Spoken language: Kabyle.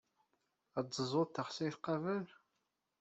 Ad teẓẓuḍ taxsayt qabel?